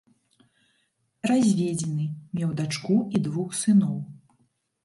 Разведзены, меў дачку і двух сыноў.